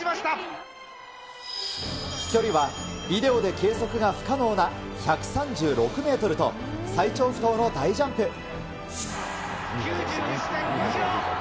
飛距離は、ビデオで計測が不可能な１３６メートルと、最長不倒の大ジャンプ。